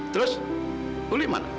terus uli mana